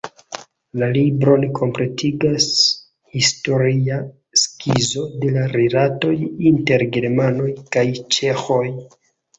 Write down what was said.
La libron kompletigas historia skizo de la rilatoj inter germanoj kaj ĉeĥoj.